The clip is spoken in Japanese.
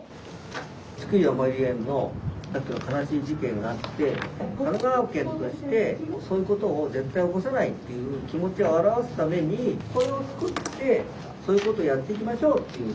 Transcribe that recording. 津久井やまゆり園の悲しい事件があって神奈川県としてそういうことを絶対起こさないっていう気持ちを表すためにこれを作ってそういうことをやっていきましょうっていうことでね。